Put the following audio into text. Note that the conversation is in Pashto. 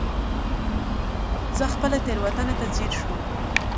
زه خپلې تېروتنې ته ځير شوم.